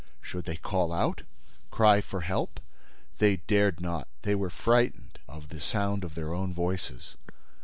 Should they call out? Cry for help? They dared not; they were frightened of the sound of their own voices.